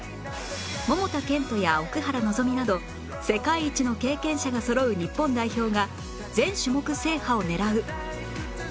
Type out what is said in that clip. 桃田賢斗や奥原希望など世界一の経験者がそろう日本代表が全種目制覇を狙う